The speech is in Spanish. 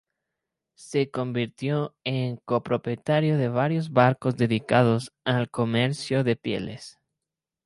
Se convirtió en copropietario de varios barcos dedicados al comercio de pieles.